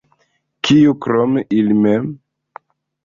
Kiu, krom ili mem?